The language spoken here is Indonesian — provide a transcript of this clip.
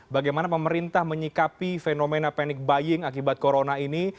bagaimana pemerintah menyikapi fenomena panik baying akibat corona ini